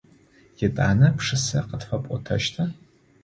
Етӏанэ пшысэ къытфэпӏотэщта?